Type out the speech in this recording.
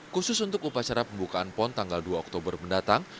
khusus untuk upacara pembukaan pon tanggal dua oktober mendatang